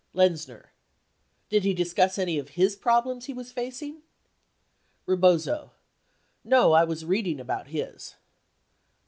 Lenzner. Did he discuss any of his problems he w T as facing? Rebozo. No ; I was reading about his.